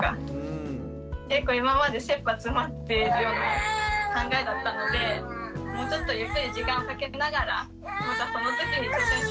結構今までせっぱ詰まってるような考えだったのでもうちょっとゆっくり時間をかけながらまたそのときに挑戦しようかなと思いました。